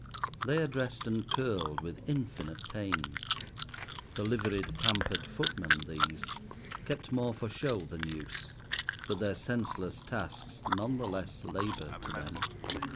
They are dressed and curled with infinite pains. The liveried, pampered footman these, kept more for show than use; but their senseless tasks none the less labour to them.